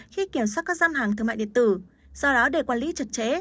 khi kiểm soát các gian hàng thương mại điện tử do đó để quản lý chặt chẽ